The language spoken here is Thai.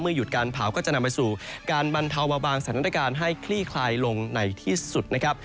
หยุดการเผาก็จะนำไปสู่การบรรเทาเบาบางสถานการณ์ให้คลี่คลายลงในที่สุดนะครับ